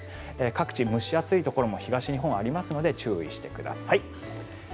各地、蒸し暑いところも東日本はありますので注意してください。